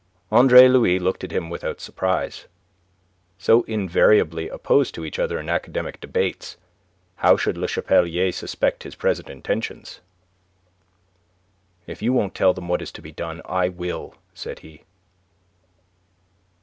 Andre Louis looked at him without surprise. So invariably opposed to each other in academic debates, how should Le Chapelier suspect his present intentions? "If you won't tell them what is to be done, I will," said he.